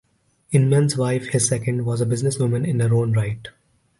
Inman's wife, his second, was a business woman in her own right.